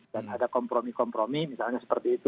dan ada kompromi kompromi misalnya seperti itu